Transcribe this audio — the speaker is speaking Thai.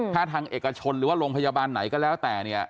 ถ้าทางเอกชนหรือว่าโรงพยาบาลไหนก็แล้วแต่เนี่ย